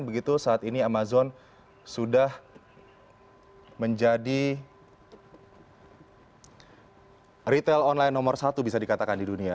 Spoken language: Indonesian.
begitu saat ini amazon sudah menjadi retail online nomor satu bisa dikatakan di dunia